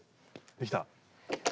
できた！